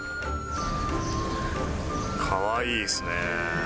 かわいいですね。